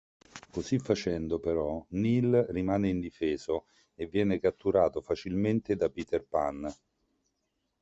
Così facendo, però, Neal rimane indifeso e viene catturato facilmente da Peter Pan.